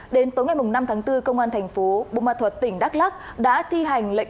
đến tối ngày năm tháng bốn công an thành phố bù ma thuật tỉnh đắk lắc đã thi hành lệnh